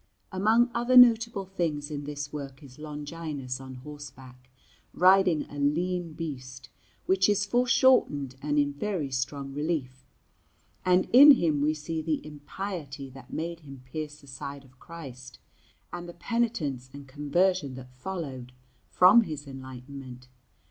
Among other notable things in this work is Longinus on horseback, riding a lean beast, which is foreshortened and in very strong relief; and in him we see the impiety that made him pierce the side of Christ, and the penitence and conversion that followed from his enlightenment.